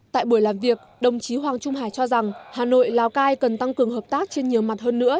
tại buổi làm việc đồng chí hoàng trung hải cho rằng hà nội lào cai cần tăng cường hợp tác trên nhiều mặt hơn nữa